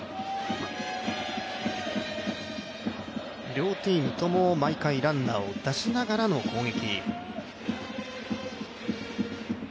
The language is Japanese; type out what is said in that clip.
両チームとも毎回ランナーを出しながらの攻撃。